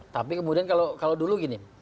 tapi kemudian kalau dulu gini